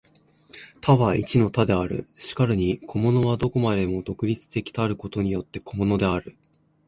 多は一の多である。然るに個物は何処までも独立的たることによって個物である。